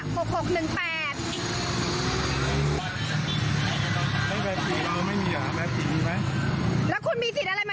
แล้วคุณมีสิทธิ์อะไรมาทำอย่างนี้กับฉันเนี่ย